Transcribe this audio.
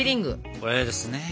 これですね。